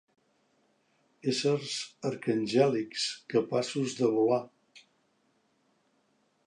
Éssers arcangèlics capaços de volar.